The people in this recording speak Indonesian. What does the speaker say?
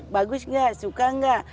bagus gak suka gak